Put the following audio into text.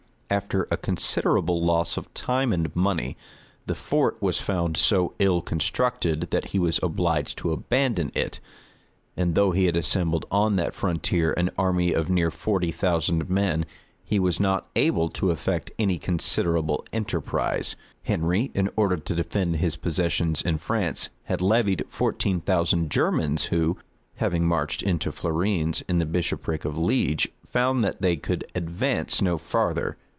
After a considerable loss of time and money, the fort was found so ill constructed, that he was obliged to abandon it; and though he had assembled on that frontier an army of near forty thousand men, he was not able to effect any considerable enterprise. Henry, in order to defend his possessions in France, had levied fourteen thousand Germans who, having marched to Fleurines, in the bishopric of Liege, found that they could advance no farther.